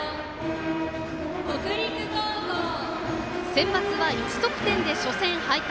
センバツは１得点で初戦敗退。